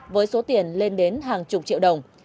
với số tiền lên đến hàng chục triệu đồng